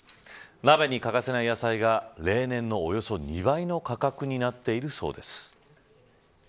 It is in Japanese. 鍋に欠かせない野菜が例年のおよそ２倍の価格になっているそうです。